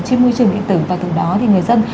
trên môi trường điện tử và từ đó thì người dân